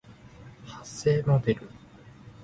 発声モデル